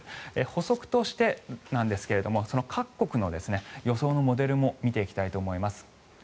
補足として各国の予想のモデルも見ていきたいと思います。